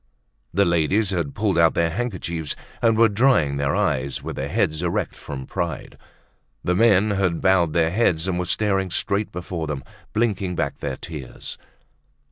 The ladies had pulled out their handkerchiefs, and were drying their eyes, with their heads erect from pride. The men had bowed their heads and were staring straight before them, blinking back their tears.